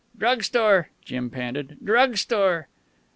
"Drug store," Jim panted. "Drug store."